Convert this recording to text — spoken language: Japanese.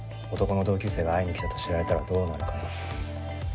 男の同級生が会いに来たと知られたらどうなるかな。